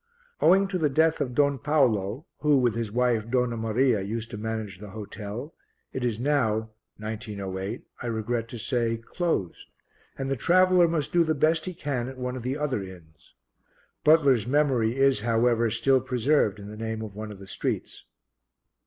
Owing to the death of Don Paolo who, with his wife, Donna Maria, used to manage the hotel, it is now (1908), I regret to say, closed, and the traveller must do the best he can at one of the other inns. Butler's memory is, however, still preserved in the name of one of the streets.